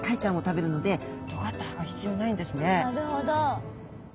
なるほど。